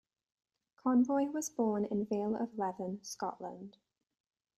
Conroy was born in Vale of Leven, Scotland.